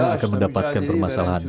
jika kita sedang berjuang bersama terorisme